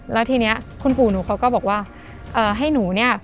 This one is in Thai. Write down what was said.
แล้วทีนี้คุณปู่หนูเขาก็บอกว่าให้หนูเนี่ย